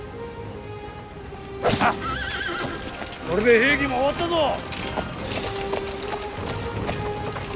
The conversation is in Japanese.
これで平家も終わったぞ！